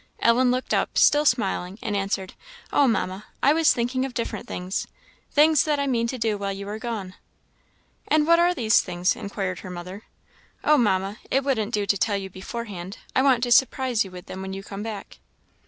Ellen looked up, still smiling, and answered, "Oh, Mamma, I was thinking of different things things that I mean to do while you are gone." "And what are these things?" inquired her mother. "Oh, Mamma, it wouldn't do to tell you beforehand; I want to surprise you with them when you come back."